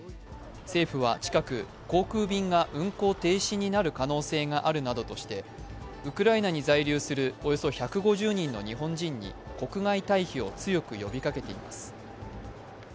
政府は近く、航空便が運航停止になる可能性があるなどとしてウクライナに在留するおよそ１５０人の日本人に国外退避を強く呼びかけています。